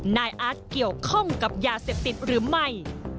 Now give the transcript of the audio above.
นายอาร์ตเกี่ยวข้องกับยาเสพติดหรือไม่